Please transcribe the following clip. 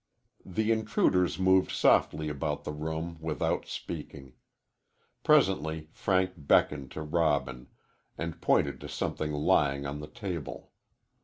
The intruders moved softly about the room without speaking. Presently Frank beckoned to Robin, and pointed to something lying on the table.